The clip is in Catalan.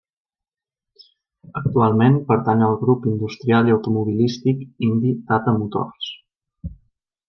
Actualment pertany al grup industrial i automobilístic indi Tata Motors.